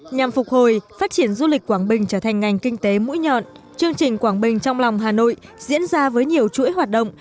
nhằm phục hồi phát triển du lịch quảng bình trở thành ngành kinh tế mũi nhọn chương trình quảng bình trong lòng hà nội diễn ra với nhiều chuỗi hoạt động